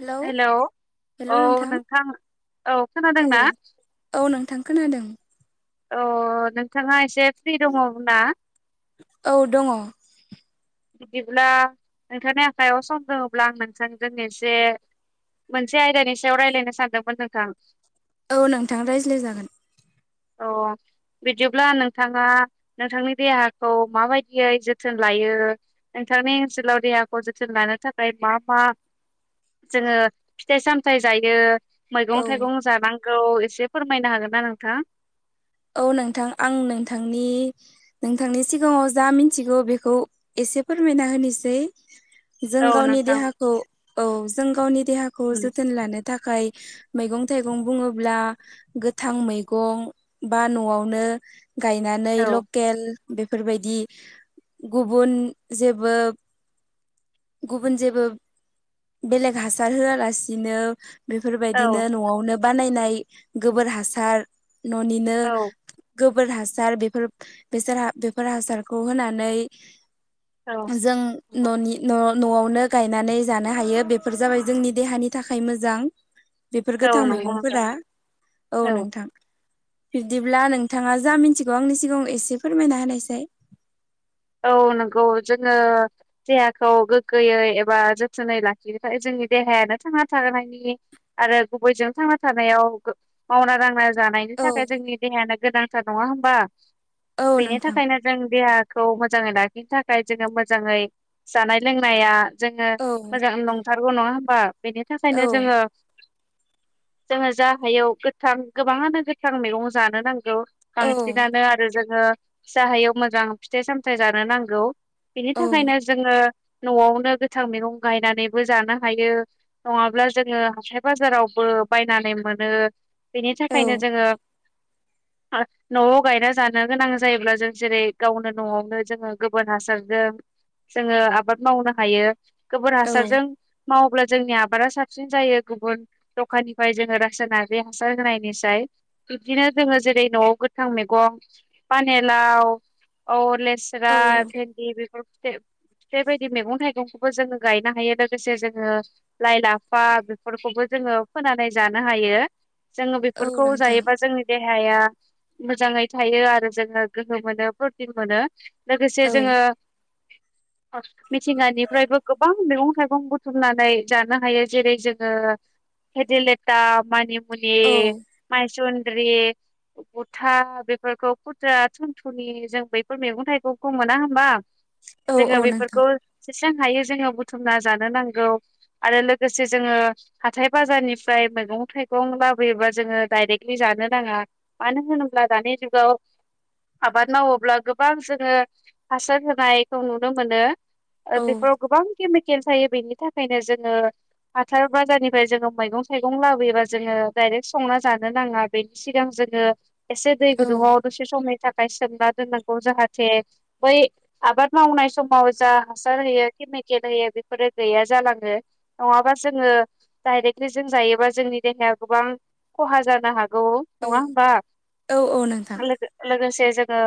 Hello hello नोंथां, औ खोनादोंना औ, औ नों थां खोनादों। अ नोंथाङा एसे फ्रि दङ ना? औ दङ। बिदिब्ला नोंथांनि आखायाव सम दोङोब्ला आं नोंथांजों एसे मोनसे आयदानि सायाव रायलायनो सानदोंमोन नोंथां। औ नोंथां रायज्लाय जागोन। [inaudible] अ बिदिब्ला नोंथाङा नोंथांनि देहाखौ माबायदियै जोथोन लायो? नोंथांनि ओनसोलाव देहाखौ जोथोन लानो थाखाय मा मा जोङो फिथाइ सामथाइ जायो। मैगं औ थाइगं जानांगौ, एसे फोरमायनो हागोन ना नोंथां? औ नोंथां आं नोंथांनि नोंथांनि सिगाङाव जा मिनथिगौ बेखौ एसे एसे फोरमायना होनिसै। जों औ गावनि नोंथां देहाखौ औ जों गावनि देहाखौ उम, जोथोन लानो थाखाय मैगं थाइगं बुङोब्ला गोथां मैगं बा न'आवनो गायनानै औ लकेल बेफोरबायदि गुबुन जेबो गुबुन जेबो बेलेग हासार होआलासिनो बेफोरबायदिनो औ न'आवनो बानायनाय गोबोर हासार न'निनो औ गोब गोबोर हासार बेफोर बेसोर हा बेफोर हासारखौ होनानै औ जों औ न'नि न' न'आवनो गायनानै जानो हायो बेफोर जाबाय जोंनि देहानि थाखाय मोजां। बेफोर गोथां नंगौ नोंथां मैगंफोरा औ नोंथां। बिब्दिब्ला नोंथाङा जा मिनथिगौ आंनि सिगाङाव एसे फोरमायना होनायसाय। औ नंगौ जोङो देहाखौ गोग्गोयै एबा जोथोनै लाखिनो थाखाय जों जोंनि देहायानो थांना थानायनि आरो गुबैजों थांना थानायाव मावना दांना जानायनि औ थाखाय जोंनि देहायानो गोनांथार नङा होमबा? औ बेनि नोंथां थाखायनो जों देहा खौ मोजाङै लाखिनो थाखाय जोङो मोजाङै जानाय लोंनाया जोङो औ मोजां नंथारगौ नङा होमबा? बेनि थाखायनो औ जोङो जोङो जा हायो गोथां गोबाङानो गोथां मैगं जानो नां गौ औ बांसिनानो आरो जोङो फिसा हायाव मोजां फिथाइ सामथाइ जानो नांगौ। बिनि औ थाखायनो जोङो न'आवनो गोथां मैगं गायनानैबो जानो हायो, नङाब्ला जोङो हाथाय बाजारावबो बो बायनानै मोनो। बेनि थाखायनो औ जोङो [unintelligible] न'आव गायना जानो गोनां जायोब्ला जों जेरै गावनो न'आवनो जोङो गोबोर हासारजों जोङो आबाद मावनो हायो। गोबोर औ हासारजों मावोब्ला जोंनि आबादा साबसिन जायो गुबुन दखाननिफ्राय जोङो रासाइनारि हासार होनायनिसाय। बिदिनो जोङो जेरै न'आव गोथां मेगं पानेलाव औ लेस्रा औ भेदि बेफोर बेबायदि मैगं थाइगंखौबो जोङो गायनो हायो लोगोसे जोङो लाइ लाफा बेफोरखौबो जोङो फोनानै जानो हायो जोङो औ बेफोरखौ नोंथां जायोबा जोंनि दे देहाया मोजाङै थायो आरो जोङो गोहो मोनो प्रटिन मोनो। लोगोसे औ जोङो मिथिंगानिफ्रायबो गोबां मैगं थाइगं बुथुमनानै जानो हायो जेरै जोङो भीडेलेटा मानि मुनि औ मायसुन द्रि गुथा बेफोरखौ खुटा थुनथुनि जों बैफोर मैगं थाइगंखौ मोना होमबा औ औ जोङो नोंथां बेफोरखौ बेेससां हायो जोङो बुथुमना जानो नांगौ आरो लोगोसे जोङो हाथाय बाजारनिफ्राय मैगं थाइगं लाबोयोबा जोङो डाइरेक्टलि जानो नाङा मानो होनोब्ला दानि जुगाव आबाद मावोब्ला गोबां जोङो हासार होनायखौ नुनो मोनो औ बेफोराव गोबां केमे केल थायो बेनि थाखायनो जोङो हाथाय बाजारनिफ्राय जोङो मैगं थाइगं लाबोयोबा जोङो डाइरेक्ट संना जानो नाङा बेनि सिगां जों जोङो एसे दै औ गुदुंङाव दसे समनि थाखाय सोंना दोननांगौ। गौ जाहाथे बै आबाद मावनाय समाव जा हासार होयो केमिकेल होयो बेफोरो गैया जालाङो नङाबा जोङो डाइरेक्टलि जों जायोबा जोंनि देहाया गोबां खहा जानो हागौ औ नङा होमबा औ औ नोंथां लोगोसे जोङो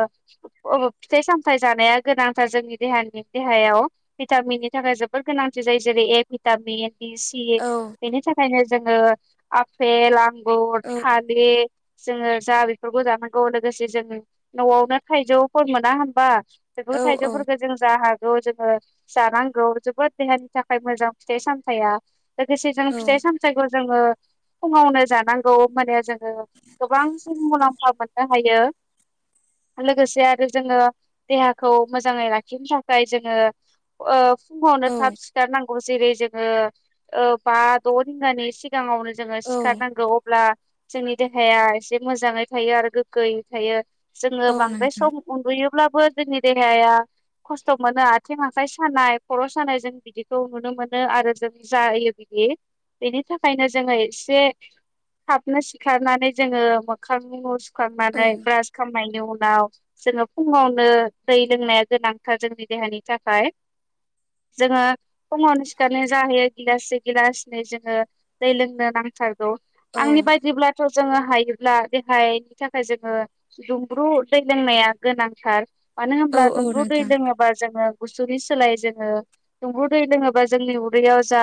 अ फिथाइ सामथाइ जानाया गोनांथार जोंनि देहानि देहायाव भिटामिननि थाखाय जोबोद गोनांथार। जायै जेरै ए भिथामिन। बि सि औ बेनि थाखायनो जोङो आफेल आंगुर औ थालिर जोङो जा बेफोरखौ जानांगौ लोगोसे जों न'आवनो थाइजौफोर मोना होनबा? बे औ औ थाइजौफोरखौ जों जा हा जोङो जानांगौ जोबोद देहानि थाखाय मोजां फिथाइ सामथाइया। लोगोसे जों औ फिथाइ सामथाइखौ जोङो फुङावनो जानांगौ माने जों ङो गोबांसिन मुलाम्फा मोननो हायो लोगोसे आरो आरो जोङो देहाखौ मोजाङै लाखिनो थाखाय जोङो ओ फुङावनो थाब सिखारनांगौ जेरै जोङो ओ बा द' रिंगानि सिगाङावनो जोङो औ सिखारनांगौ अब्ला जोंनि देहाया एसे मोजाङै थायो आरो गोग्गोयै थायो। जोङो औ बांद्राय नोंथां सम उन्दुयोब्लाबो जोंनि देहाया खस्थ' मोनो आथिं आखाइ सानाय खर' सानाय जों बिदिखौ नुनो मोनो आरो जों जायो बि बि बेनि थाखायनो जोङो एसे थाबनो सिखारनानै जोङो मोखां उ औ सुखांनानै ब्रास खालामनायनि उनाव जोङो फुङावनो दै लोंनाया गोनांथार जोंनि देहानि थाखाय। जोङो फुङावनो सिखारनाय जाहैयो गिलासि गिलासनै जोङो दै लोंनो नांथारग गौ औ आंनि बायदिब्लाथ' जोङो हायोब्ला देहायनि थाखाय जोङो दुंब्रु दै लोंनाया गोनांथार मानो औ होनब्ला औ दुंब्रु दै नोंथां लोङोबा जोङो गुसुनि सोलाय जोङो दुंब्रु दै लोङोबा जोंनि उदैयाव जा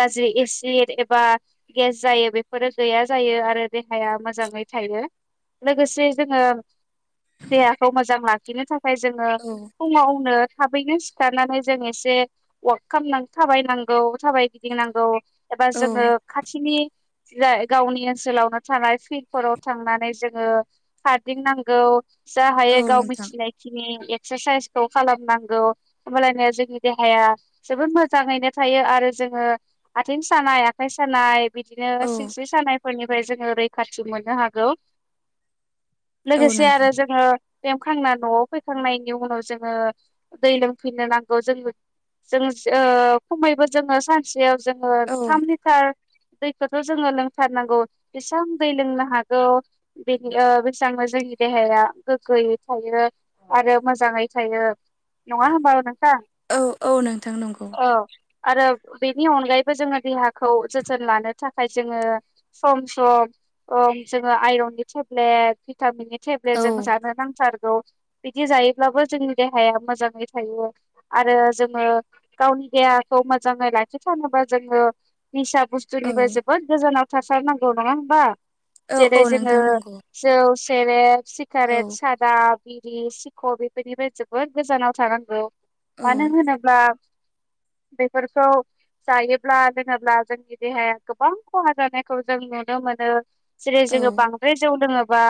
गाज्रि एसेट एबा गेस जायो बेफोरो गैया जायो आरो देहाया मोजाङै थायो। लोगोसे जोङो देहाखौ मोजां लाखिनो थाखाय जोङो औ फुङावनो थाबैनो सिखारनानै जों एसे वार्क खालाम थाबायनांगौ थाबायगिदिंनांगौ। एबा औ जोङो खाथिनि जा गावनि ओनसोलावनो थानाय फिल्डफोराव थांनानै जोङो खारदिंनांगौ। जा औ हायो गाव नोंथां मिथिनाय खिनि एक क्सारसाइसखौ खालामनांगौ होमबालानो जोंनि देहाया जोबोद मोजाङैनो थायो आरो जों जोङो आथिं सानाय आखाइ सानाय बिदिनो औ सिनस्रि सानायफोरनिफ्राय जोङो रैखाथि मोननो हागौ। औ लोगोसेय नोंथां आरो जों बेयाखांना न'आव फैखांनायनि उनाव जोङो दै लोंफैनो नांगौ जों जों ओ खमैबो जोङो सानसेयाव जोङो औ थाम लिटार दैखौथ' जोङो लोंथारनांगौ जेसां दै लोंनो हागौ बेनि बेसां जोंनि देहाया गोगोयै थायो आरो मोजाङै थायो नङा होमबा नों औ औ नोंथां नंगौ आरो बेनि अनगायैबो जोङो देहाखौ जोथोन लानो थाखाय जोङो सम सम अ जोङो आइरननि टेब्लेट भिटामिननि टेब्लेट औ जों जा नांथारगौ बिदि जायोब्लाबो जोंनि देहाया मोजाङै थायो आरो जोङो गावनि देहाखौ मोजाङै लाखिथानोबा जोङो निसा औ बुस्थुनिबो जोबोद गोजानाव थासारनांगौ नङा होमबा औ जेरै औ जोङो नोंथां नंगौ जौ, सेरेब, औ सिगारेट बा बिरि सिखर बेफोरनिफ्राय जोबोद गोजानाव थानांगौ औ मानो होनोब्ला [inaudible] बेफोरखौ जायोब्ला लोङोब्ला जोंनि देहाया गोबां खहा जानायखौ जों नुनो मोनो जेरै जोङो बांद्राय जौ लोङोबा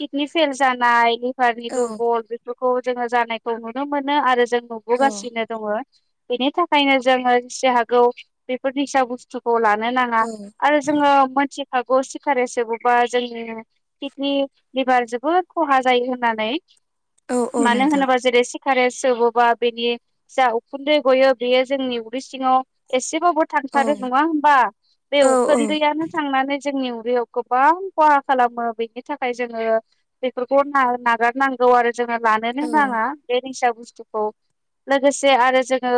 किदनि फेल जानाय लिभारनि औ दुरबल बे खौ जोङो जानायखौ नुनो मोनो आरो जों औ नुबोगासिनो दङ। बेनि थाखायनो जोङो जेसे हागौ बेफोरनिसा बुस्थु खौ लानो नाङा आरो जोङो मोनथि हागौ सिखार सोबा जोंनि किडनि लिभार जोबोद खहा जायो होननानै औ औ मानो नोंथां होनोबा जेरै सिगारेट सोबोबा बेनि जा उखुन्दै गयो बेयो जोंनि उदै सिङाव एसे औ थांथारो नङा होमबा बे औ उखोनन्दैयानो थांनानै जोंनि गोबां खहा खालामो बेनि थाखाय जोङो बेफोरखौ नागारनांगौ आरो जोङो लानोनो औ नाङा बे निसा बुस्थुखौ लोगोसे आरो जोङो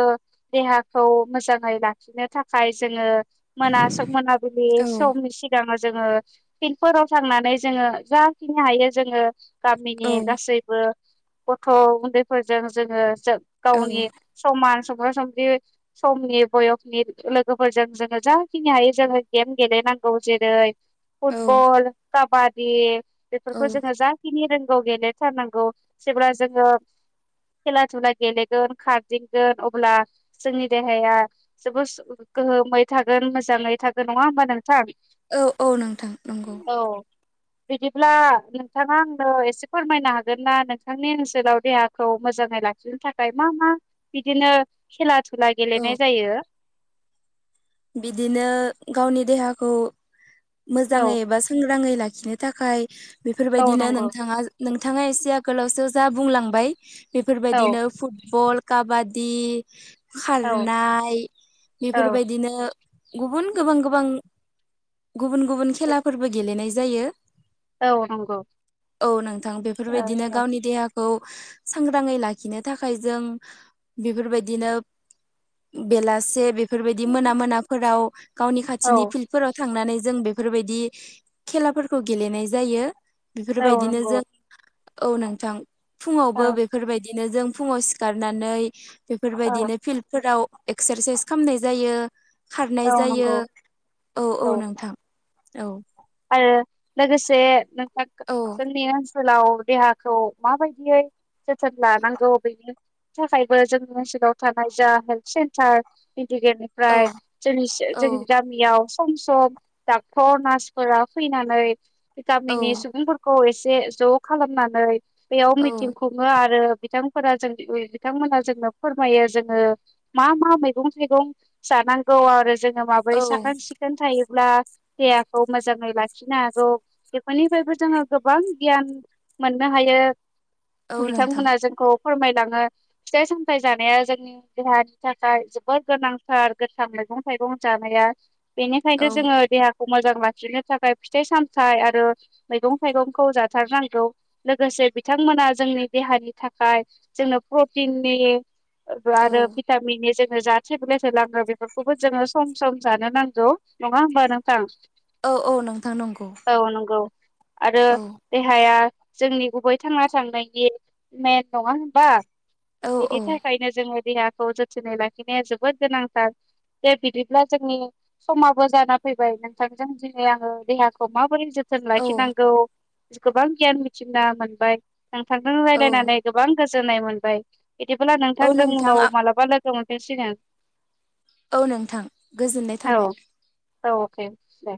देहाखौ मोजाङै लाखिनो थाखाय जोङो मोना मनाबिलि औ सनि सिगां जोङो फिल्डफोराव थांनानै जोङो जाखिनि हायो जोङो गामिनि गासैबो गथ' उन्दैफोरजों जोङो जोब औ गावनि समान समब्रा संब्रि समनि बयसनि लोगोफोरजों जोङो जाखिनि हायो जोङो गेम गेलेनांगौ जेरै फुटबल काबादि बेफोरखौ जोङो औ जाखिनि रों गाव गेलेथारनांगौ जेब्ला जोङो खेला धुला गेलेगोन खारदिंगोन अब्ला जोंनि देहाया जोबोद गोहोमै थागोन मोजाङै थागोन नङा होमबा नों सार औ औ नोंथां नंगौ औ बिदिब्ला नोंथाङा आंनो एसे फोरमायनो हागोन ना नोंथांनि ओनसोलाव देहाखौ मोजाङै लाखिनो थाखाय मा मा मा बिदिनो खेला ला औ गेलेनाय जायो। बिदिनो गावनि देहाखौ औ मोजाङै एबा सांग्राङै लाखि नो थाखाय औ बेफोरबायदिनो नंगौ नोंथांया बिथाङा एसे आगोलावसो जा बुंलांबाय औ बेफोरबायदिनो फुटबल। काबादि औ खारनाय औ बेफोरबायदिनो गुबुन गोबां गोबां गुबुन-गुबुन खेलाफोरबो गेलेनाय जायो। औ नंगौ औ नोंथां औ बेफोरबायदिनो गावनि देहाखौ। सांग्राङै लाखिनो थाखाय जों बेफोरबायदिनो बेलासे बेफोरबायदि मोना मोनाफोराव गावनि औ खाथिनि फिल्डफोराव थांनानै जों बेफोरबायदि खेलाफोरखौ गेलेनाय जायो औ बेफोरबायदिनो नंगौ जों औ नोंथां फुङावबो औ बेफोरबायदिनो जों फुङाव सिखारनानै। औ बेफोरबायदिनो फिल्डफोराव एक्सारसाइस खालामनाय जायो। खारनाय औ जायो नंगौ औ-औ औ नोंथां औ। आरो लोगो नोंथां औ खौ लोगोसे स्लाव देहाखौ माबायदियै जोथोन लानांगौ बेनो। थाखायबो जोंनि ओनसोलाव थानाय जा हेल्थ सेन्टार। औ गिगिरनिफ्राय जों औ जोंनि गामियाव सम-सम डाक्टर नार्स। फोर फैनानै औ गामिनि सुबुंफोरखौ एसे ज खालामनानै। बेयाव औ मिथिं खुङो आरो। बिथां जों बिथांमोना जोंनो फोरमायो जोङो मा-मा मैगं थाइगं। जानंगौ आरो जोङो माबोरै औ साखोन सिखोन थायोब्ला दे। मोजाङै लाखिनो हागौ बेफोरनिफ्रायबो जोङो गोबां गियान मोननो हायो। औ नोंथां बिथांमोना जोंखौ। फोरमायलाङो फिथाइ सामथाइ जानाया जोंनि देहानि थाखाय जोबद गोनांथार गोथां। मैगं थाइगं जानाया बेनिखायनो औ जोङो देहाखौ मोजां। मोजां लाखिनो थाखाय फिथाइ सामथाइ आरो मैगं थाइगंखौ जाथारनांगौ लोगोसे। बिथांमोना जोंनि देहानि थाखाय जोंनो प्रटिननि। औ आरो भिटामिननि। जााथे बेलेथे लाङो बेफोरखौबो जोङो सम-सम जानो नांगौ नङा होमबा नोंथां। औ-औ नोंथां नंगौ। औ नंगौ आरो औ देहाया जोंनि गुबै थांना थांनायनि मेन नङा होनबा। औ बेनि औ थाखायनो जोङो देहाखौ जोथोनै लाखिनाया जोबोद गोनांथार। दे बिदिब्ला जोंनि समाबो जाना फैबाय ना। दिै आङो देहाखौ माबोरै जोथोन औ लाखिनांगौ। गोबां गियान मिथिना मोनबाय नोंथांजों औ रायजलायनानै गोबां गोजोननाय मोनबाय। बिदिबोब्ला औ नोंथांजों नोंथां उनाव मालाबा लोगो मोनफिनसिगनो। औ नोंथां गोजोननाय थाबाय। ओ दे-दे।